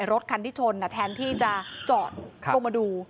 รถคันที่ชนแทนที่จะจอดลงมาดู